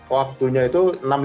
waktunya itu enam lima belas